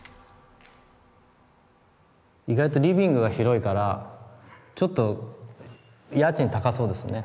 意外とリビングが広いからちょっと家賃高そうですね。